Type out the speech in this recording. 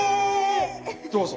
どうぞ。